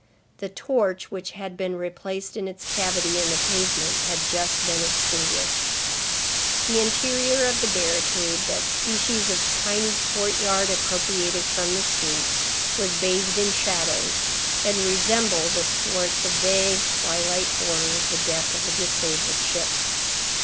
The torch, which had been replaced in its cavity in the pavement, had just been extinguished. The interior of the barricade, that species of tiny courtyard appropriated from the street, was bathed in shadows, and resembled, athwart the vague, twilight horror, the deck of a disabled ship.